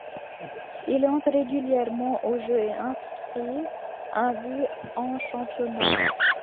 Il entre régulièrement au jeu, et inscrit un but en championnat.